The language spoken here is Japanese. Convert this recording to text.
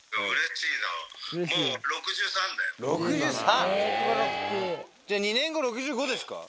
６３！